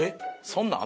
そんなん。